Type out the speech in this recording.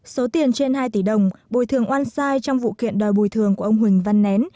số tiền trên hai tỷ đồng bồi thường oan sai trong vụ kiện đòi bồi thường của ông huỳnh văn nén